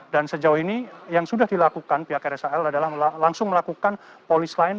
dan sejauh ini yang sudah dilakukan pihak rsal adalah langsung melakukan polis lain